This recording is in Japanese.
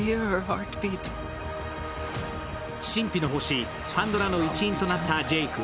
神秘の星・パンドラの一員となったジェイク。